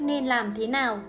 nên làm thế nào